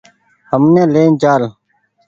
همني لين چآل۔